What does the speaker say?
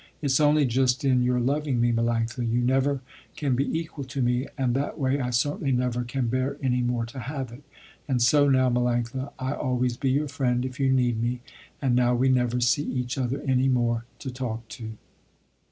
Its only just in your loving me Melanctha. You never can be equal to me and that way I certainly never can bear any more to have it. And so now Melanctha, I always be your friend, if you need me, and now we never see each other any more to talk to."